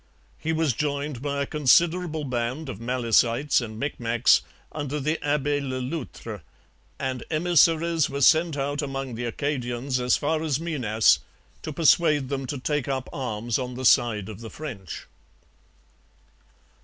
He was joined by a considerable band of Malecites and Micmacs under the Abbe Le Loutre; and emissaries were sent out among the Acadians as far as Minas to persuade them to take up arms on the side of the French.